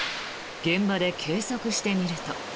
現場で計測してみると。